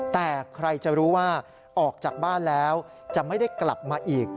แต่ใครจะรู้ว่าออกจากบ้านแล้วจะไม่ได้กลับมาอีก